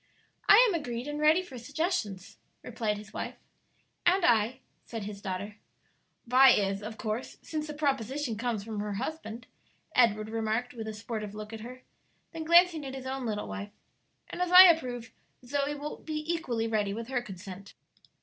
"I am agreed and ready for suggestions," replied his wife. "And I," said his daughter. "Vi is, of course, since the proposition comes from her husband," Edward remarked, with a sportive look at her; then glancing at his own little wife: "and as I approve, Zoe will be equally ready with her consent."